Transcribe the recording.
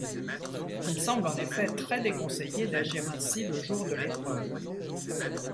Il semble en effet très déconseillé d'agir ainsi le jour de l'épreuve.